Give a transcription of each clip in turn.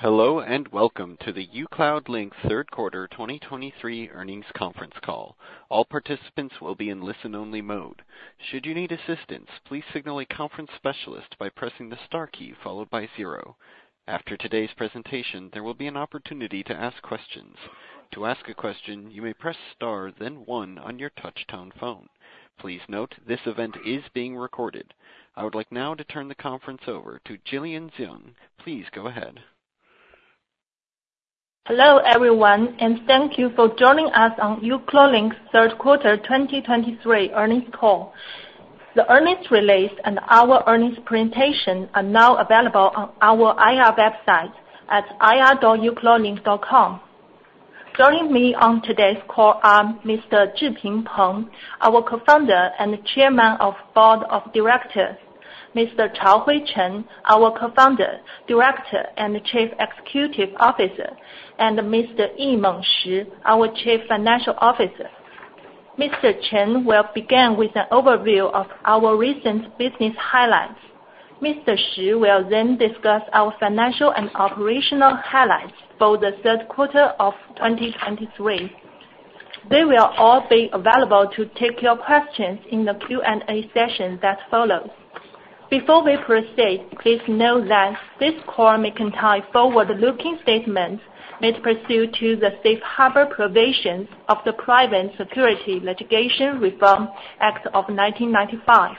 Hello, and welcome to the uCloudlink Q3 2023 earnings conference call. All participants will be in listen-only mode. Should you need assistance, please signal a conference specialist by pressing the star key followed by zero. After today's presentation, there will be an opportunity to ask questions. To ask a question, you may press star, then one on your touchtone phone. Please note, this event is being recorded. I would like now to turn the conference over to Jillian Zeng. Please go ahead. Hello, everyone, and thank you for joining us on uCloudlink Q3 2023 earnings call. The earnings release and our earnings presentation are now available on our IR website at ir.ucloudlink.com. Joining me on today's call are Mr. Zhiping Peng, our co-founder and Chairman of the Board of Directors, Mr. Chaohui Chen, our co-founder, Director, and Chief Executive Officer, and Mr. Yimeng Shi, our Chief Financial Officer. Mr. Chen will begin with an overview of our recent business highlights. Mr. Shi will then discuss our financial and operational highlights for the Q3 of 2023. They will all be available to take your questions in the Q&A session that follows. Before we proceed, please note that this call may contain forward-looking statements made pursuant to the Safe Harbor provisions of the Private Securities Litigation Reform Act of 1995.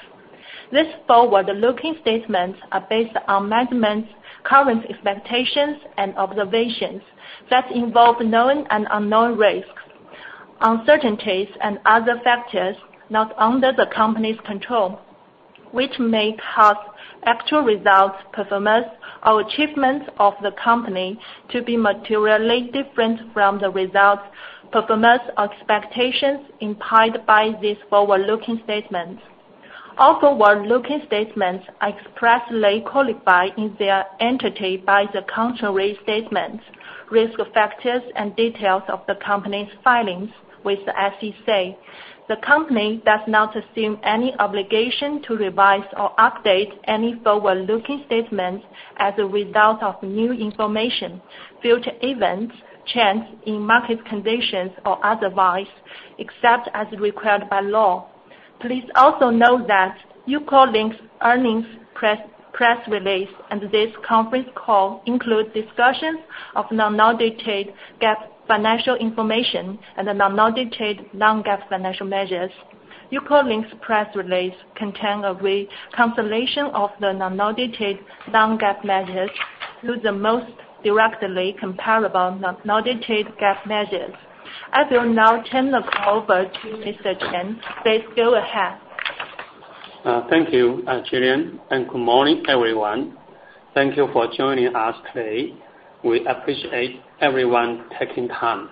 These forward-looking statements are based on management's current expectations and observations that involve known and unknown risks, uncertainties, and other factors not under the company's control, which may cause actual results, performance, or achievements of the company to be materially different from the results, performance, or expectations implied by these forward-looking statements. All forward-looking statements are expressly qualified in their entirety by the contrary statements, risk factors, and details of the company's filings with the SEC. The company does not assume any obligation to revise or update any forward-looking statements as a result of new information, future events, changes in market conditions, or otherwise, except as required by law. Please also note that uCloudlink's earnings press release and today's conference call include discussions of unaudited GAAP financial information and unaudited non-GAAP financial measures. uCloudlink's press release contain a reconciliation of the non-audited non-GAAP measures to the most directly comparable non-audited GAAP measures. I will now turn the call over to Mr. Chen. Please go ahead. Thank you, Jillian, and good morning, everyone. Thank you for joining us today. We appreciate everyone taking time.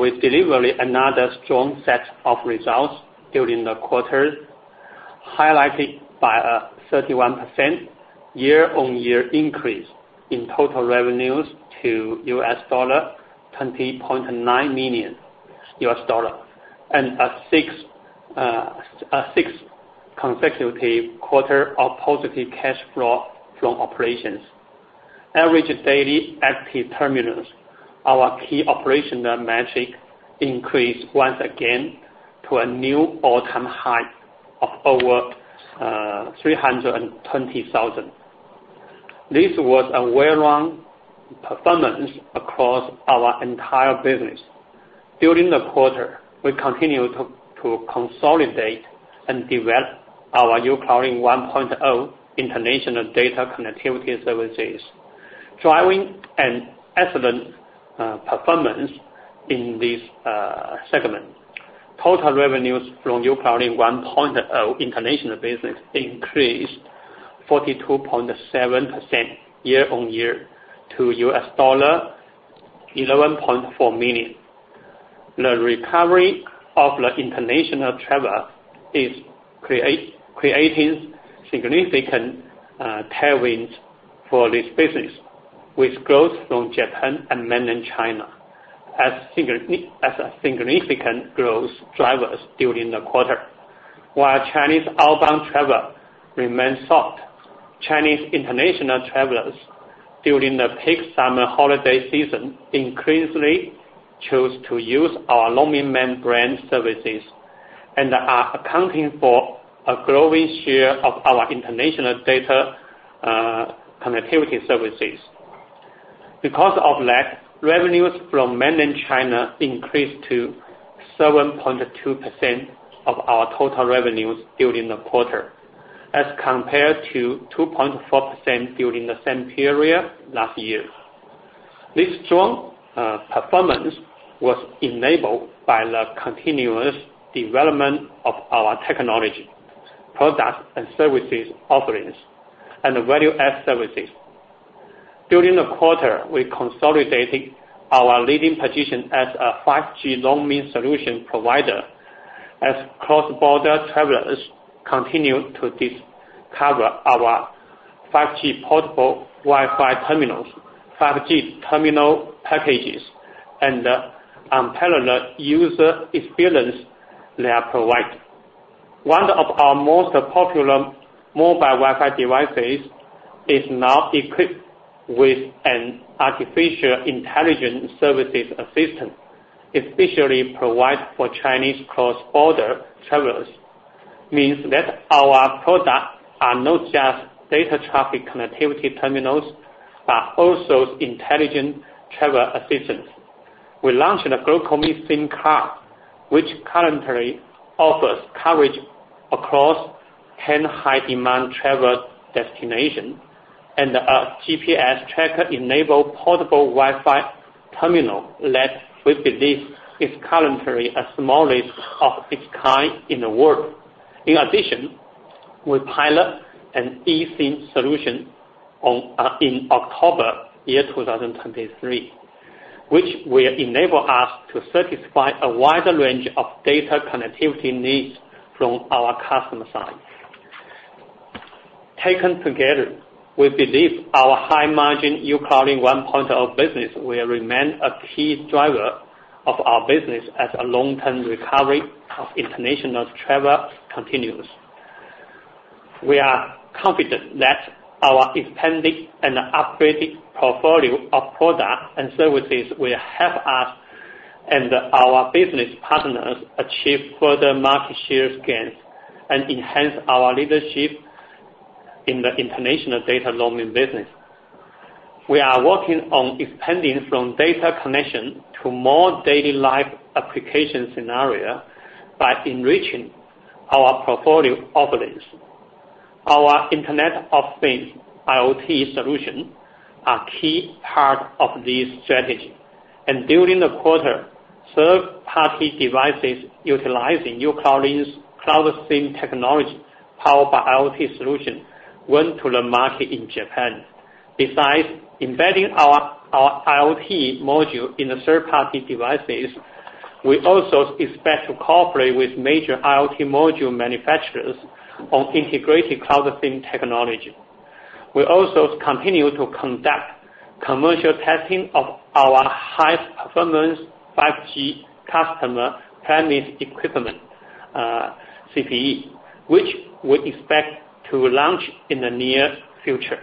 We delivered another strong set of results during the quarter, highlighted by a 31% year-over-year increase in total revenues to $20.9 million, and a sixth consecutive quarter of positive cash flow from operations. Average daily active terminals, our key operational metric, increased once again to a new all-time high of over 320,000. This was a well-run performance across our entire business. During the quarter, we continued to consolidate and develop our uCloudlink 1.0 international data connectivity services, driving an excellent performance in this segment. Total revenues from uCloudlink 1.0 international business increased 42.7% year-over-year to $11.4 million. The recovery of the international travel is creating significant tailwinds for this business, with growth from Japan and Mainland China as a significant growth drivers during the quarter. While Chinese outbound travel remains soft, Chinese international travelers during the peak summer holiday season increasingly chose to use our Roamingman brand services and are accounting for a growing share of our international data connectivity services. Because of that, revenues from Mainland China increased to 7.2% of our total revenues during the quarter, as compared to 2.4% during the same period last year. This strong performance was enabled by the continuous development of our technology, products services offerings, and value-added services. During the quarter, we consolidated our leading position as a 5G Roaming solution provider, as cross-border travelers continued to discover our 5G portable Wi-Fi terminals, 5G terminal packages, and the unparalleled user experience they provide. One of our most popular mobile Wi-Fi devices is now equipped with an artificial intelligence services assistant, especially provided for Chinese cross-border travelers. Means that our products are not just data traffic connectivity terminals, but also intelligent travel assistants. We launched the Global SIM card, which currently offers coverage across 10 high-demand travel destinations, and a GPS-tracker-enabled portable Wi-Fi terminal that we believe is currently the smallest of its kind in the world. In addition, we piloted an eSIM solution on, in October 2023, which will enable us to satisfy a wider range of data connectivity needs from our customer side. Taken together, we believe our high-margin uCloudlink 1.0 business will remain a key driver of our business as a long-term recovery of international travel continues. We are confident that our expanded and upgraded portfolio of products and services will help us and our business partners achieve further market share gains, and enhance our leadership in the international data roaming business. We are working on expanding from data connection to more daily life application scenario by enriching our portfolio offerings. Our Internet of Things, or IoT, solution, are key part of this strategy. During the quarter, third-party devices utilizing uCloudlink's CloudSIM technology, powered by IoT solutions, went to the market in Japan. Besides embedding our IoT modules in the third-party devices, we also expect to cooperate with major IoT module manufacturers on integrated CloudSIM technology. We also continue to conduct commercial testing of our high-performance 5G customer premises equipment, CPE, which we expect to launch in the near future.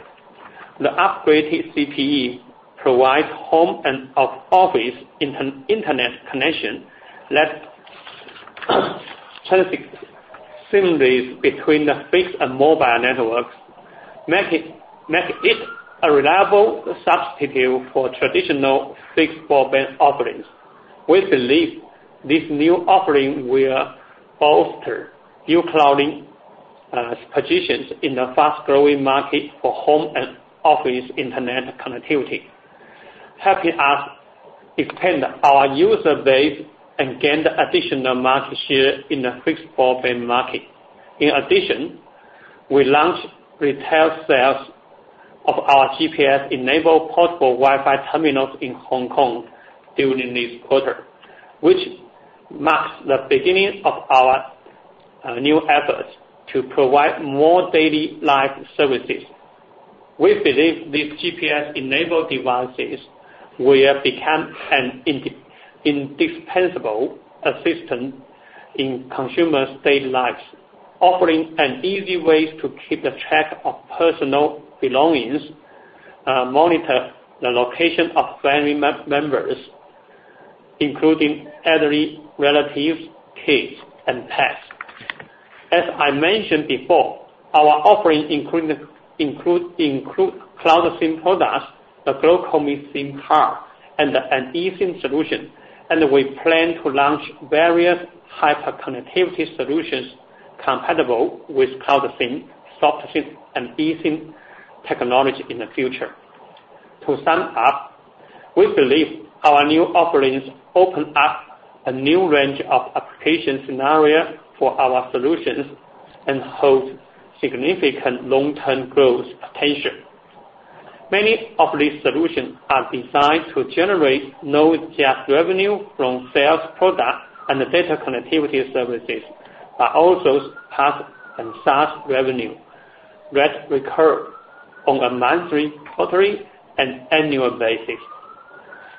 The upgraded CPE provides home and office internet connection that seamless between the fixed and mobile networks, make it a reliable substitute for traditional fixed broadband offerings. We believe this new offering will bolster uCloudlink's positions in the fast-growing market for home and office internet connectivity, helping us expand our user base and gain additional market share in the fixed broadband market. In addition, we launched retail sales of our GPS-enabled portable Wi-Fi terminals in Hong Kong during this quarter, which marks the beginning of our new efforts to provide more daily life services. We believe these GPS-enabled devices will become an indispensable assistant in consumers' daily lives, offering an easy way to keep a track of personal belongings, monitor the location of family members, including elderly relatives, kids, and pets. As I mentioned before, our offerings include CloudSIM products, the GlocalMe SIM card, and an eSIM solution, and we plan to launch various HyperConn solutions compatible with CloudSIM, SoftSIM, and eSIM technology in the future. To sum up, we believe our new offerings open up a new range of application scenarios for our solutions and hold significant long-term growth potential. Many of these solutions are designed to generate not just revenue from sales products and data connectivity services, but also PaaS and SaaS revenue that recur on a monthly, quarterly, and annual basis.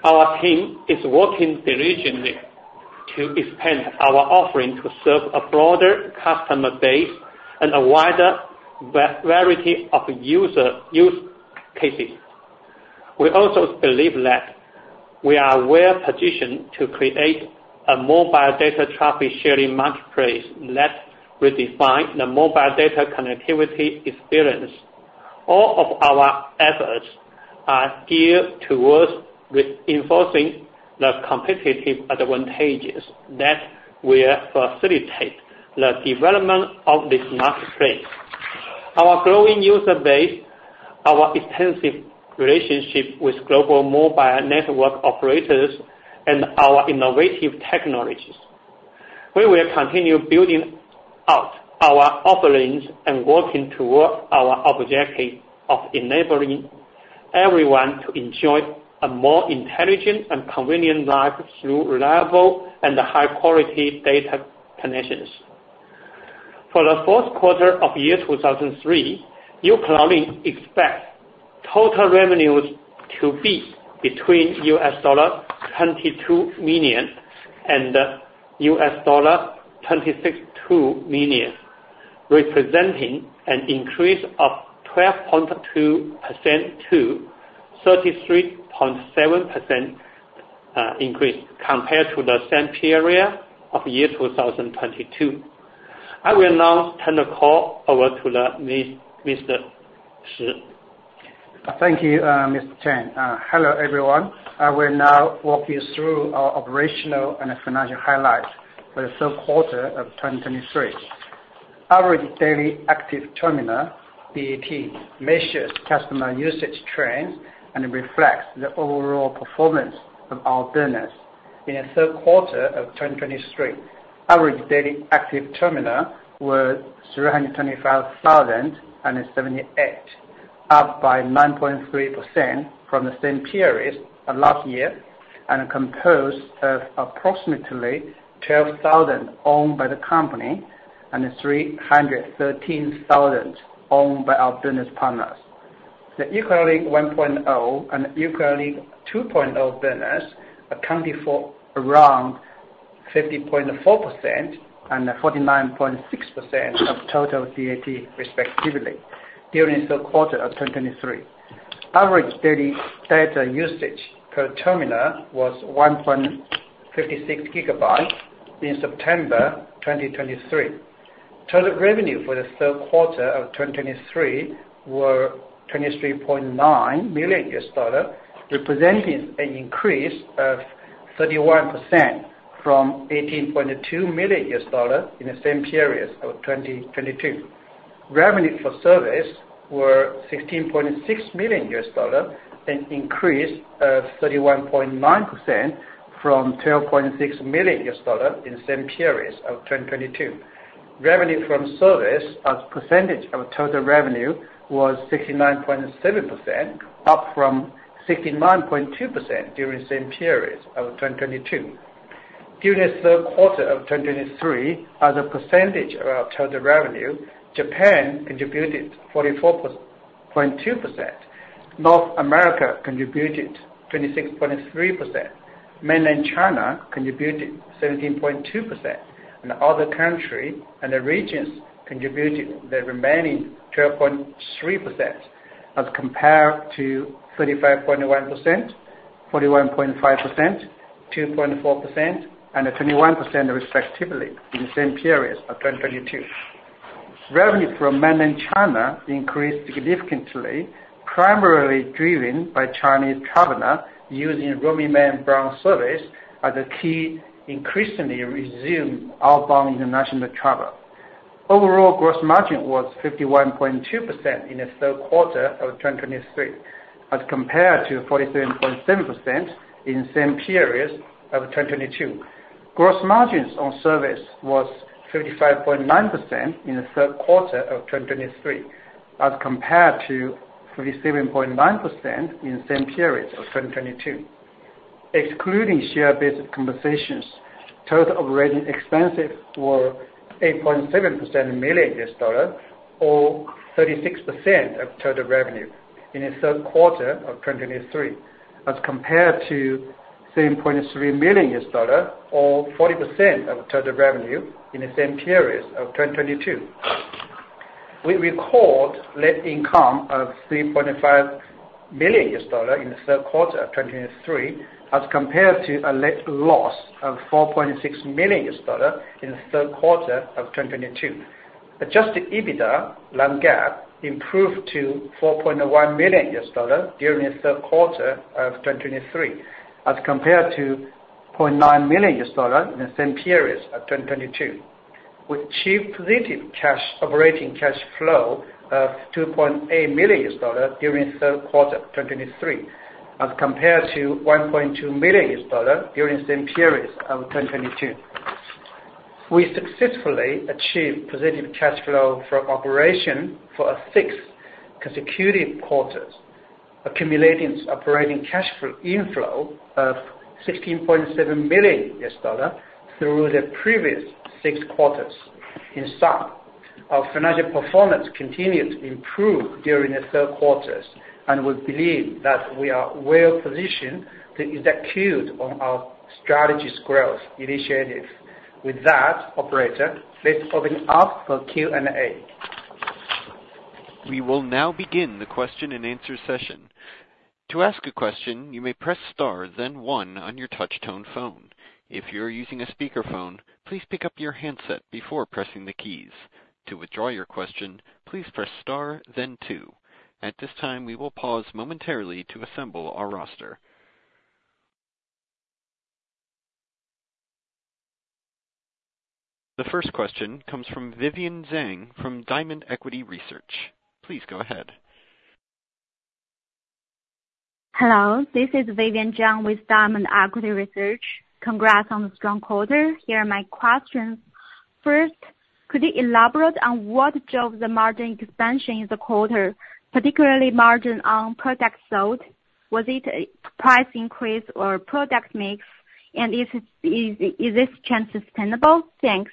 Our team is working diligently to expand our offerings to serve a broader customer base and a wider variety of user use cases. We also believe that we are well-positioned to create a mobile data traffic sharing marketplace that will define the mobile data connectivity experience. All of our efforts are geared towards reinforcing the competitive advantages that will facilitate the development of this marketplace. Our growing user base, our extensive relationship with global mobile network operators, and our innovative technologies. We will continue building out our offerings and working toward our objective of enabling everyone to enjoy a more intelligent and convenient life through reliable and high-quality data connections. For the Q4 of 2003, uCloudlink expects-... total revenues to be between $22 million and $26.2 million, representing an increase of 12.2% to 33.7% increase compared to the same period of 2022. I will now turn the call over to the Mr. Shi. Thank you, Mr. Chen. Hello, everyone. I will now walk you through our operational and financial highlights for the Q3 of 2023. Average daily active terminal, DAT, measures customer usage trends and reflects the overall performance of our business. In the Q3 of 2023, average daily active terminal was 325,078, up by 9.3% from the same period of last year, and composed of approximately 12,000 owned by the company and 313,000 owned by our business partners. The uCloudlink 1.0 and uCloudlink 2.0 business accounted for around 50.4% and 49.6% of total DAT, respectively, during the quarter of 2023. Average daily data usage per terminal was 1.56 gigabytes in September 2023. Total revenue for the Q3 of 2023 were $23.9 million, representing an increase of 31% from $18.2 million in the same period of 2022. Revenue for service were $16.6 million, an increase of 31.9% from $12.6 million in the same period of 2022. Revenue from service as percentage of total revenue was 69.7%, up from 69.2% during the same period of 2022. During the Q3 of 2023, as a percentage of total revenue, Japan contributed 44.2%, North America contributed 26.3%, Mainland China contributed 17.2%, and other country and the regions contributed the remaining 12.3%, as compared to 35.1%, 41.5%, 2.4%, and 21%, respectively, in the same period of 2022. Revenue from Mainland China increased significantly, primarily driven by Chinese travelers using Roamingman brand service as they increasingly resumed outbound international travel. Overall, gross margin was 51.2% in the Q3 of 2023, as compared to 43.7% in the same period of 2022. Gross margins on service was 35.9% in the Q3 of 2023, as compared to 37.9% in the same period of 2022. Excluding share-based compensations, total operating expenses were $8.7 million, or 36% of total revenue in the Q3 of 2023, as compared to $3.3 million, or 40% of total revenue in the same period of 2022. We record net income of $3.5 million in the Q3 of 2023, as compared to a net loss of $4.6 million in the Q3 of 2022. Adjusted non-GAAP EBITDA improved to $4.1 million during the Q3 of 2023, as compared to $0.9 million in the same period of 2022. We achieved positive cash, operating cash flow of $2.8 million during the Q3 of 2023, as compared to $1.2 million during the same period of 2022. We successfully achieved positive cash flow from operation for a sixth consecutive quarters, accumulating operating cash flow inflow of $16.7 million through the previous six quarters. In sum, our financial performance continued to improve during the Q3s, and we believe that we are well positioned to execute on our strategic growth initiatives. With that, operator, let's open up for Q&A. We will now begin the question-and-answer session. To ask a question, you may press star, then one on your touchtone phone. If you're using a speakerphone, please pick up your handset before pressing the keys. To withdraw your question, please press star, then two. At this time, we will pause momentarily to assemble our roster. The first question comes from Vivian Zhang from Diamond Equity Research. Please go ahead. Hello, this is Vivian Zhang with Diamond Equity Research. Congrats on the strong quarter. Here are my questions. First, could you elaborate on what drove the margin expansion in the quarter, particularly margin on products sold? Was it a price increase or product mix? And is this trend sustainable? Thanks!...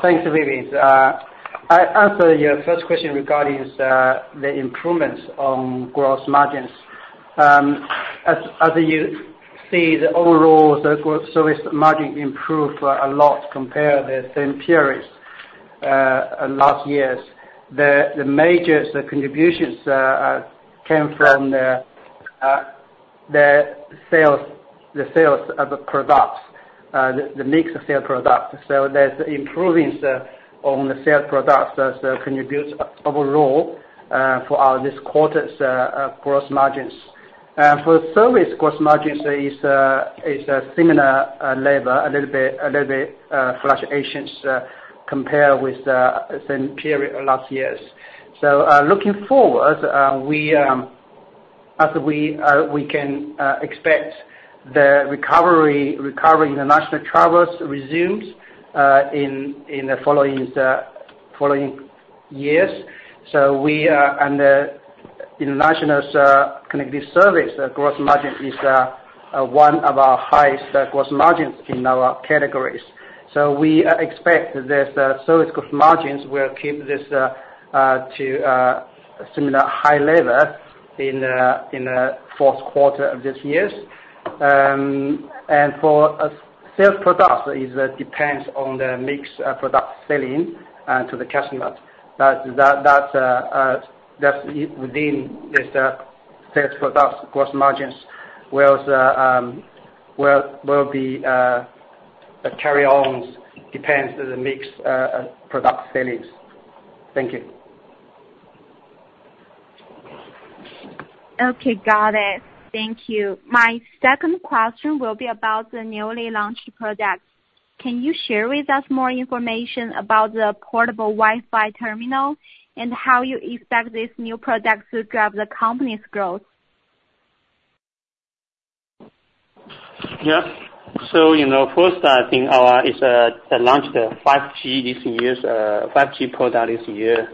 Thanks, Vivian. I answer your first question regarding the improvements on gross margins. As you see, the overall gross service margin improved a lot compared the same period last years. The major contributions came from the sales of the products, the mix of sale products. So there's improvements on the sales products as they contribute overall for our this quarter's gross margins. For service gross margins is a similar level, a little bit fluctuations, compared with the same period last years. So, looking forward, we, as we can expect the recovery in the national travels resumes in the following years. So we are under international connectivity service. The gross margin is one of our highest gross margins in our categories. So we expect this service gross margins will keep this to similar high level in the Q4 of this year. And for sales products, it depends on the mix of products selling to the customer. But that's within this sales product gross margins, where will be a carry ons, depends on the mix of product sold. Thank you. Okay. Got it. Thank you. My second question will be about the newly launched products. Can you share with us more information about the portable Wi-Fi terminal, and how you expect this new product to drive the company's growth? Yeah. So, you know, first, I think the launch the 5G this year, 5G product this year,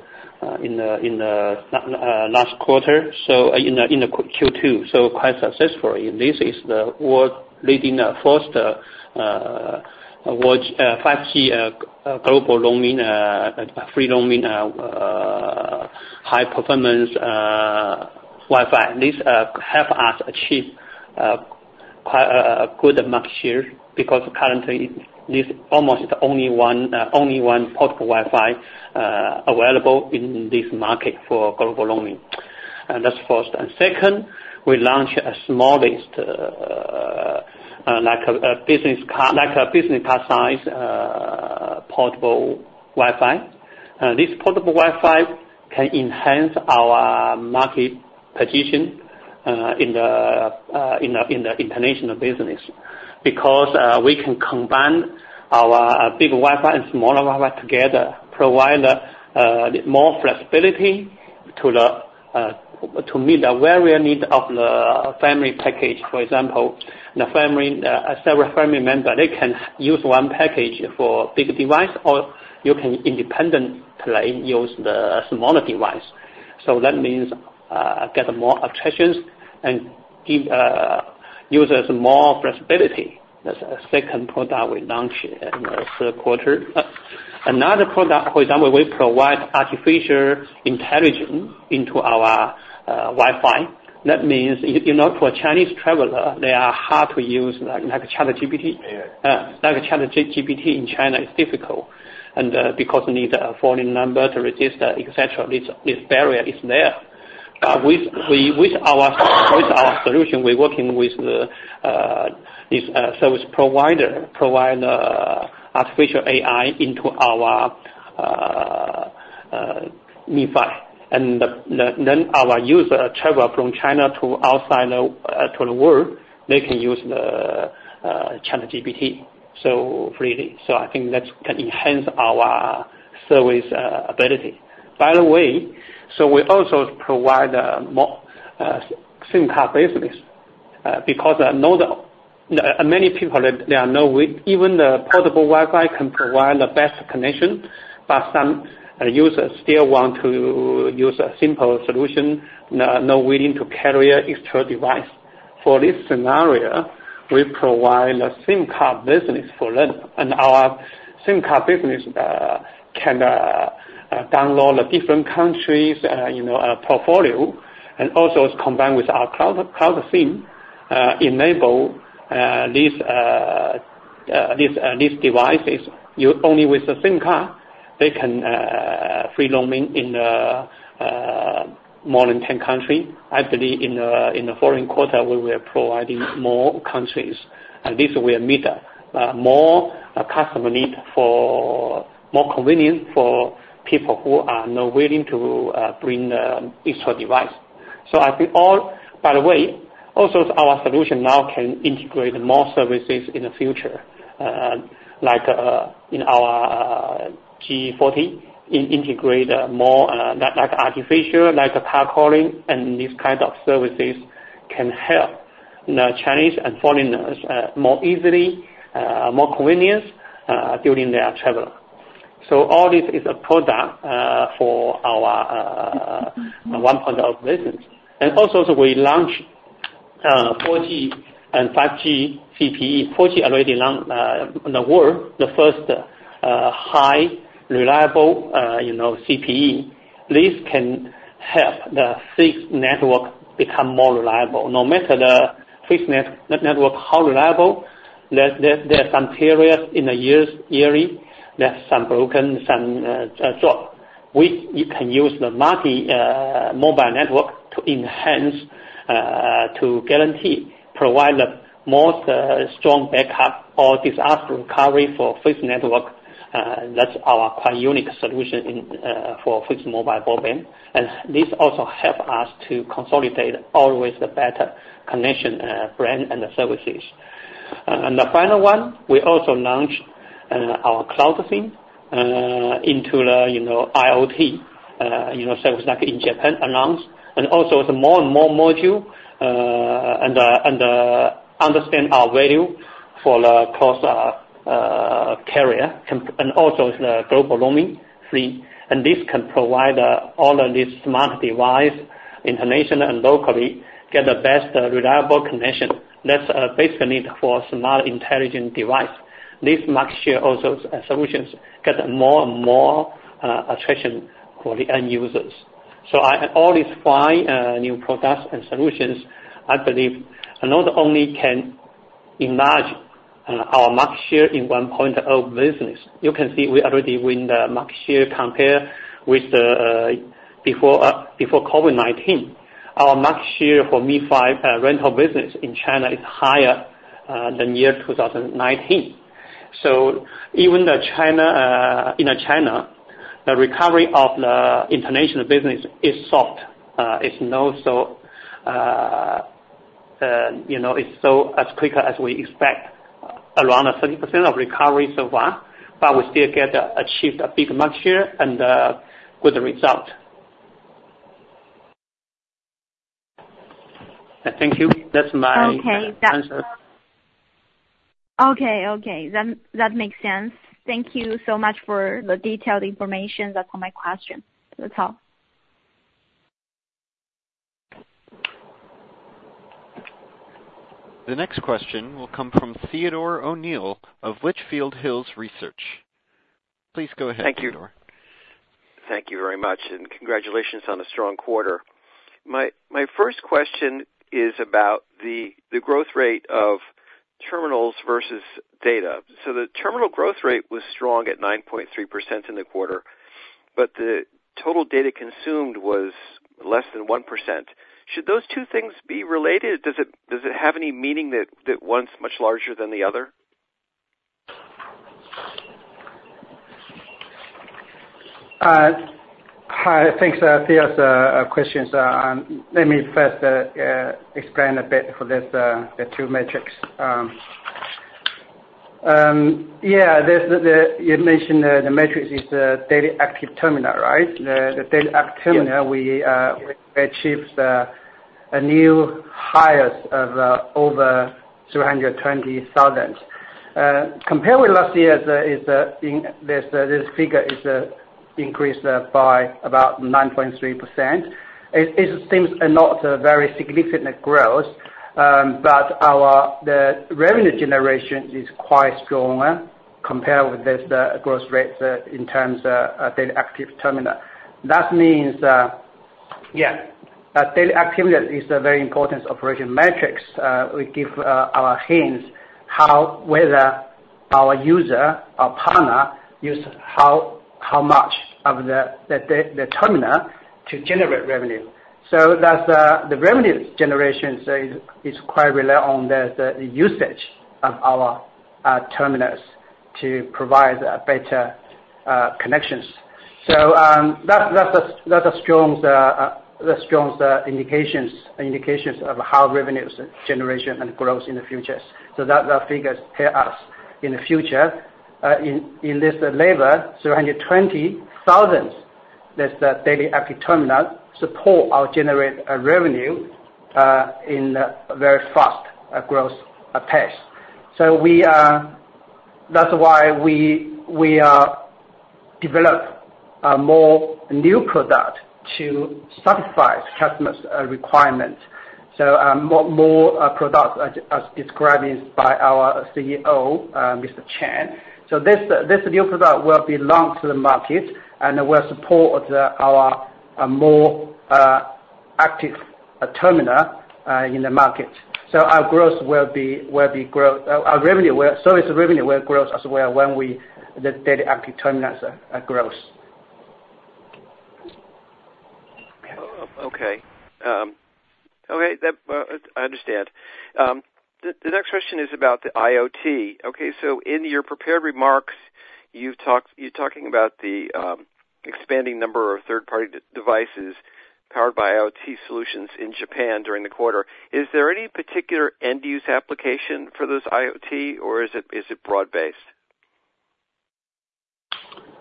in the last quarter, so in the Q2, so quite successful. This is the world-leading first world 5G global roaming free roaming high performance Wi-Fi. This help us achieve quite a good market share, because currently this almost the only one only one portable Wi-Fi available in this market for global roaming. And that's first. And second, we launched a smallest like a business card like a business card size portable Wi-Fi. This portable Wi-Fi can enhance our market position in the international business. Because we can combine our big Wi-Fi and small Wi-Fi together, provide more flexibility to meet the various needs of the family package. For example, the family, several family members, they can use one package for big device, or you can independently use the smaller device. So that means get more attractions and give users more flexibility. That's a second product we launched in the Q3. Another product, for example, we provide artificial intelligence into our Wi-Fi. That means, you know, for Chinese traveler, they are hard to use, like, ChatGPT. Like ChatGPT in China is difficult, and because you need a foreign number to register, et cetera. This barrier is there. With our solution, we're working with the service provider to provide artificial AI into our MiFi. And then our user travel from China to outside to the world, they can use the ChatGPT so freely. So I think that can enhance our service ability. By the way, so we also provide a more SIM card business, because I know that many people, they know, even the portable Wi-Fi can provide the best connection, but some users still want to use a simple solution, not willing to carry extra device. For this scenario, we provide a SIM card business for them, and our SIM card business can download the different countries, you know, portfolio, and also is combined with our CloudSIM enable these devices. Only with the same card, they can free roaming in more than 10 country. I believe in the foreign quarter, we are providing more countries, and this will meet more customer need for more convenience for people who are not willing to bring the extra device. So I think all. By the way, also, our solution now can integrate more services in the future, like, in our G4, integrate more, like artificial, like power calling, and these kind of services can help the Chinese and foreigners, more easily, more convenience, during their travel. So all this is a product, for our 1.0 business. And also, so we launched 4G and 5G CPE. 4G already launched, in the world, the first, high reliable, you know, CPE. This can help the fixed network become more reliable. No matter the fixed network, how reliable, there are some periods in the years, yearly, there's some broken, some drop. You can use the multi mobile network to enhance to guarantee provide the most strong backup or disaster recovery for fixed network. That's our quite unique solution in for fixed mobile broadband. And this also help us to consolidate always the better connection brand and the services. And the final one, we also launched our CloudSIM into the IoT, service, like in Japan announced. And also the more and more module and understand our value for the cross-carrier and also the global roaming free. And this can provide all of these smart device, international and locally, get the best reliable connection. That's basic need for smart intelligent device. This market share also solutions get more and more attraction for the end users. So, all these five new products and solutions, I believe, not only can enlarge our market share in 1.0 business. You can see we already win the market share compare with the before, before COVID-19. Our market share for MiFi rental business in China is higher than year 2019. So even though in China, the recovery of the international business is soft. It's not so, you know, it's not so quick as we expect, around a 30% recovery so far, but we still achieved a big market share and good result. Thank you. That's my- Okay. Answer. Okay, okay. Then that makes sense. Thank you so much for the detailed information. That's all my question. That's all. The next question will come from Theodore O'Neill of Litchfield Hills Research. Please go ahead, Theodore. Thank you. Thank you very much, and congratulations on the strong quarter. My first question is about the growth rate of terminals versus data. So the terminal growth rate was strong at 9.3% in the quarter, but the total data consumed was less than 1%. Should those two things be related? Does it have any meaning that one's much larger than the other? Hi. Thanks, Theo, questions. Let me first explain a bit for this, the two metrics. Yeah, there's the, you mentioned, the metrics is the daily active terminal, right? The daily active terminal- Yes. We achieved a new highest of over 320,000. Compared with last year, this figure is increased by about 9.3%. It seems not a very significant growth, but our revenue generation is quite stronger compared with this growth rate in terms of daily active terminal. That means daily activity is a very important operation metrics. We give our hints how whether our user or partner use how much of the terminal to generate revenue. So that's the revenue generation is quite rely on the usage of our terminals to provide better connections. So, that's a strong indications of how revenues generation and grows in the future. So that, the figures tell us in the future, in this level, 320,000, that's the daily active terminal, support our generate revenue, in a very fast growth pace. So we are. That's why we develop more new product to satisfy customers requirements. So, more products, as described by our CEO, Mr. Chen. So this new product will belong to the market and will support our more active terminal in the market. So our growth will be growth. Our revenue will so it's revenue will growth as well when we, the daily active terminals, grows. Okay. Okay, that, I understand. The next question is about the IoT. Okay, so in your prepared remarks, you've talked, you're talking about the expanding number of third-party devices powered by IoT solutions in Japan during the quarter. Is there any particular end-use application for this IoT, or is it broad-based?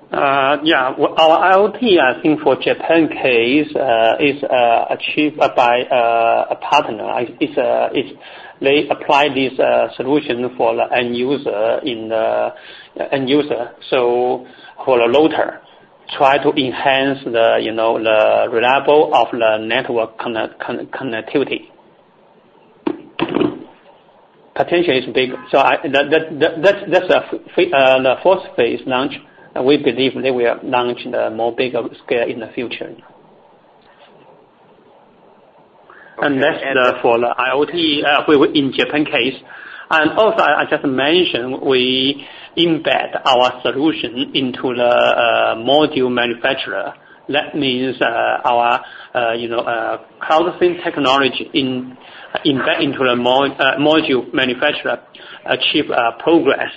Yeah. Well, our IoT, I think for Japan case, is achieved by a partner. It's they apply this solution for the end user in the end user. So for the loader, try to enhance the, you know, the reliability of the network connectivity. Potential is big. So that's the first phase launch, and we believe they will launch the more bigger scale in the future. And that's for the IoT we were in Japan case. And also, I just mentioned, we embed our solution into the module manufacturer. That means, our, you know, CloudSIM technology embed into the module manufacturer achieve progress.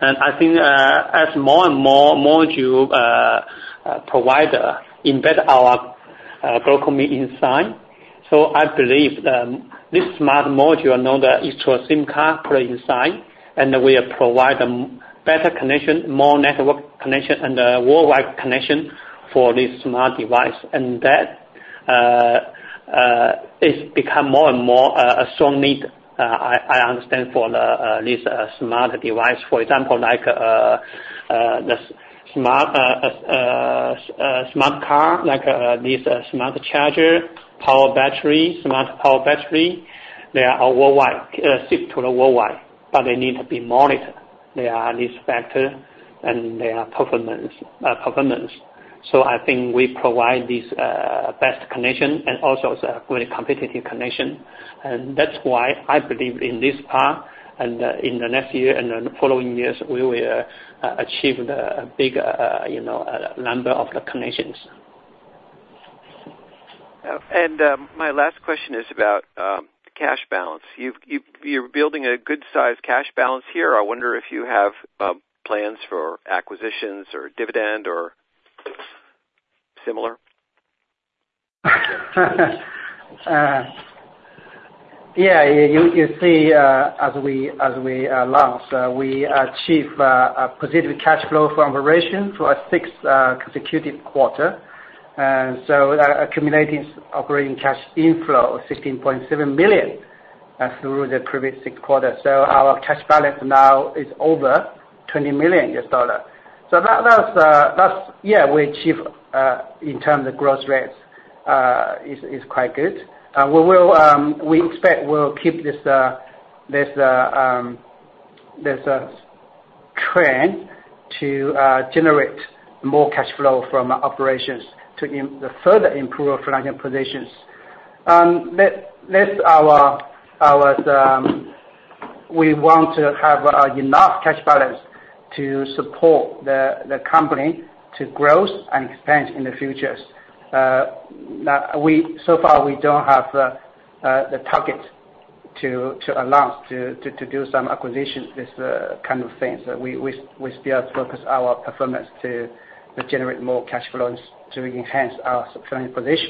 I think, as more and more module providers embed our GlocalMe inside, so I believe this smart module now that it's your SIM card put inside, and we provide a better connection, more network connection, and a worldwide connection for this smart device. That is become more and more a strong need, I understand for this smart device. For example, like the smart car, like this smart charger, power battery, smart power battery, they are worldwide ship to the worldwide, but they need to be monitored. They are this factor, and they are performance, performance. So I think we provide this best connection and also a very competitive connection. That's why I believe in this part, and in the next year and in the following years, we will achieve the big, you know, number of the connections. My last question is about cash balance. You're building a good size cash balance here. I wonder if you have plans for acquisitions, or dividend, or similar? Yeah, you see, as we launch, we achieve a positive cash flow from operations for a sixth consecutive quarter. Accumulating operating cash inflow of $16.7 million through the previous six quarters. So our cash balance now is over $20 million. So that, that's... Yeah, we achieve in terms of growth rates is quite good. We will, we expect we'll keep this trend to generate more cash flow from operations to further improve our financial positions. That's our, we want to have enough cash balance to support the company to grow and expand in the future. Now, so far, we don't have the target to announce to do some acquisitions, this kind of things. We still focus our performance to generate more cash flows to enhance our financial position.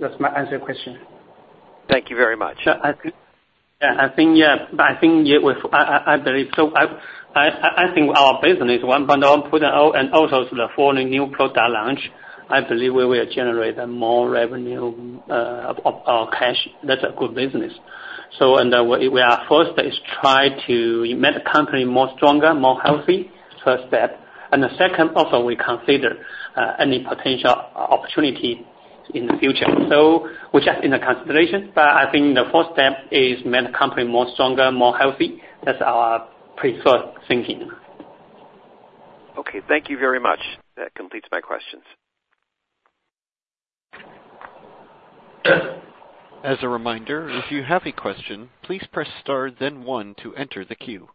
Does that answer your question? Thank you very much. Yeah, I think, yeah, I think it was. I believe so. I think our business, one point I'll put it out, and also the following new product launch, I believe we will generate more revenue, of cash. That's a good business. So, we are first is try to make the company more stronger, more healthy, first step. And the second, also we consider any potential opportunity in the future. So we're just in the consideration, but I think the first step is make the company more stronger, more healthy. That's our preferred thinking. Okay, thank you very much. That completes my questions. As a reminder, if you have a question, please press star then one to enter the queue.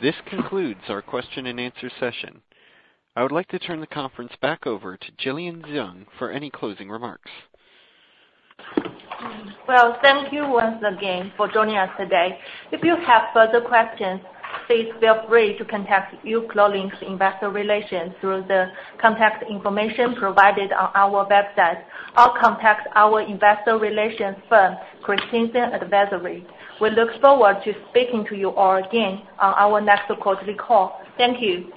This concludes our question and answer session. I would like to turn the conference back over to Jillian Zeng for any closing remarks. Well, thank you once again for joining us today. If you have further questions, please feel free to contact uCloudlink's Investor Relations through the contact information provided on our website, or contact our investor relations firm, Christensen Advisory. We look forward to speaking to you all again on our next quarterly call. Thank you.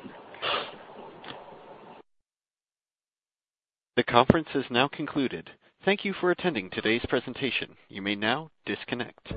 The conference is now concluded. Thank you for attending today's presentation. You may now disconnect.